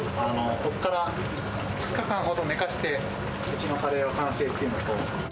ここから２日間ほど寝かせて、うちのカレーは完成というのと。